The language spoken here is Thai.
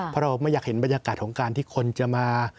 เพราะเราไม่อยากเห็นบรรยากาศของการที่คนจะมา